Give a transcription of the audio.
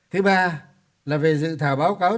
thứ ba là về dự thảo báo cáo